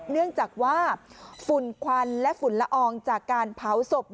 เนื่องจากว่าฝุ่นควันและฝุ่นละอองจากการเผาศพ